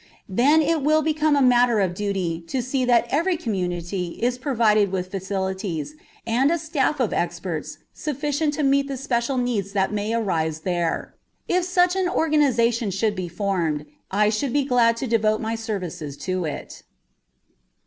Then it will become a matter of duty to see that every community is provided with facilities and a staff of experts sufficient to meet the special needs that may arise there. If such an organization should be formed, I should be glad to devote my services to it.